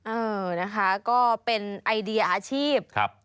เออนะคะก็เป็นไอเดียอาชีพ